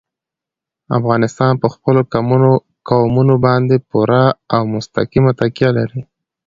افغانستان په خپلو قومونه باندې پوره او مستقیمه تکیه لري.